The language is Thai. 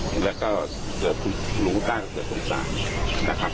หรือเจอผู้หลวงได้หรือสงสารตาการ